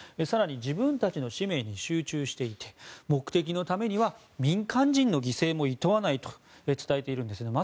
更に、自分たちの使命に集中していて目的のためには民間人の犠牲もいとわないと伝えているんです。